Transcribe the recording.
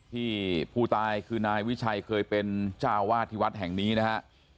ที่ผู้ตายคือนายวิชัยเคยเป็นเจ้าวาดที่วัดแห่งนี้นะฮะ